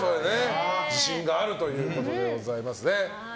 自信があるということでございますね。